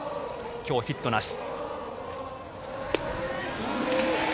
今日ヒットなし。